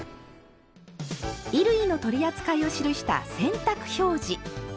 衣類の取り扱いを記した「洗濯表示」。